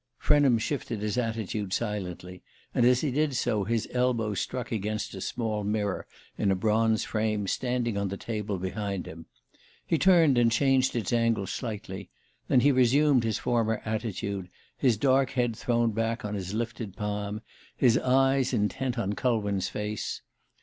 Frenham shifted his attitude silently, and as he did so his elbow struck against a small mirror in a bronze frame standing on the table behind him. He turned and changed its angle slightly; then he resumed his former attitude, his dark head thrown back on his lifted palm, his eyes intent on Culwin's face.